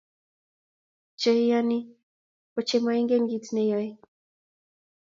Cheiyoni kochemoingen kit neyoe